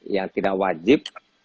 yang tidak wajib